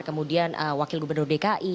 kemudian wakil gubernur dki